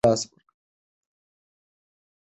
ملالۍ خپل ژوند له لاسه ورکړی دی.